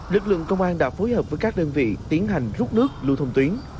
lực lượng công an đã phối hợp với các đơn vị tiến hành rút nước lưu thông tuyến